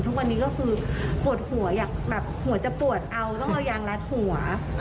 ทุกวันนี้ก็คือปวดหัวอยากแบบหัวจะปวดเอาต้องเอายางรัดหัว